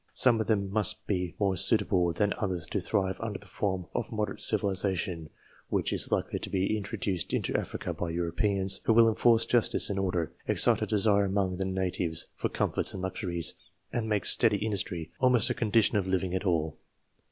Some of them must be more suitable than others to thrive under that form of moderate civilization which is likely to be intro xxvi PREFATORY CHAPTER duced into Africa by Europeans, who will enforce justice and order, excite a desire among the natives for comforts and luxuries, and make steady industry almost a condition of living at all.